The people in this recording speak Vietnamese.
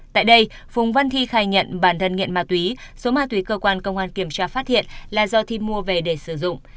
tại đây phùng văn thi khai nhận bản thân nghiện ma túy số ma túy cơ quan công an kiểm tra phát hiện là do thi mua về để sử dụng